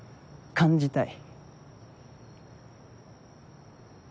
感じたい。